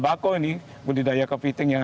bako ini budidaya kepiting yang